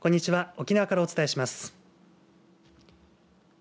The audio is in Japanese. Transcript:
沖縄からお伝えします。